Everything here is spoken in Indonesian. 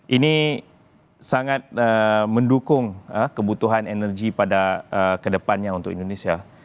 ini sangat mendukung kebutuhan energi pada kedepannya untuk indonesia